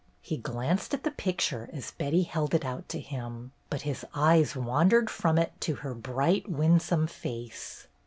He glanced at the picture as Betty held it out to him, but his eyes wandered from it to her bright, winsome face.